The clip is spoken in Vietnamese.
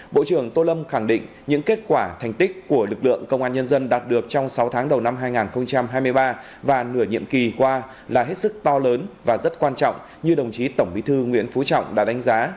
bộ trưởng tô lâm khẳng định những kết quả thành tích của lực lượng công an nhân dân đạt được trong sáu tháng đầu năm hai nghìn hai mươi ba và nửa nhiệm kỳ qua là hết sức to lớn và rất quan trọng như đồng chí tổng bí thư nguyễn phú trọng đã đánh giá